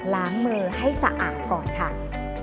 ล้างมือให้สะอาดก่อนค่ะ